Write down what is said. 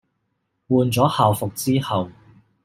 換咗校服之後